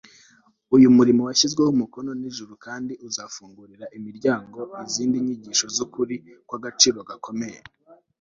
uyu murimo washyizweho umukono n'ijuru, kandi uzafungurira imiryango izindi nyigisho z'ukuri kw'agaciro gakomeye